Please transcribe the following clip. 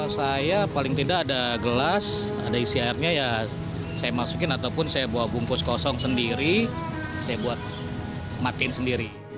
saya buat matiin sendiri